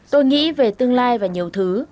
tôi nghĩ về tương lai và nhiều thứ